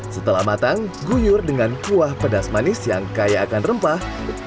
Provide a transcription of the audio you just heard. setelah matang guyur dengan kuah pedas manis yang kaya akan rempah